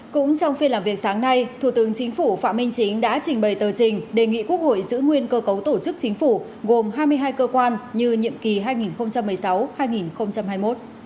cũng trong phiên làm việc sáng nay thủ tướng chính phủ phạm minh chính đã trình bày tờ trình đề nghị quốc hội giữ nguyên cơ cấu tổ chức chính phủ gồm hai mươi hai cơ quan như nhiệm kỳ hai nghìn một mươi sáu hai nghìn hai mươi một